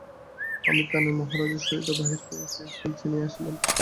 আমি কানাই মহারাজের সহিত বাহির হইয়া সেইস্থান চিনিয়া আসিলাম।